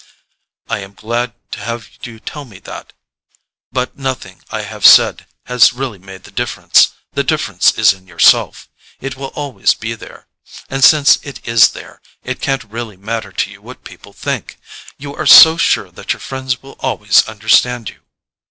"I am glad to have you tell me that; but nothing I have said has really made the difference. The difference is in yourself—it will always be there. And since it IS there, it can't really matter to you what people think: you are so sure that your friends will always understand you."